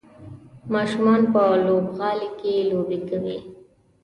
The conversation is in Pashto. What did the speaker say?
ماشومان په لوبغالي کې لوبې کوي.